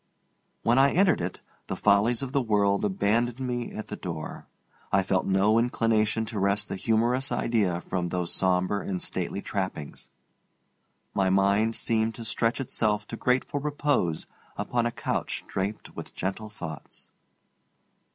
When I entered it, the follies of the world abandoned me at the door. I felt no inclination to wrest a humorous idea from those sombre and stately trappings. My mind seemed to stretch itself to grateful repose upon a couch draped with gentle thoughts.